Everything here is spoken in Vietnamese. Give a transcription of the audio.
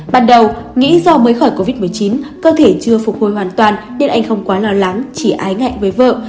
ban đầu nghĩ do mới khỏi covid một mươi chín cơ thể chưa phục hồi hoàn toàn nên anh không quá lo lắng chỉ ái ngạnh với vợ